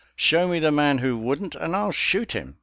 f* Show me the man who wouldn't, and I'll shoot him.